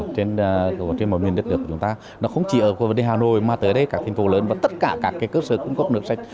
trên mọi miền đất nước của chúng ta nó không chỉ ở vấn đề hà nội mà tới đây các thành phố lớn và tất cả các cơ sở cung cấp nước sạch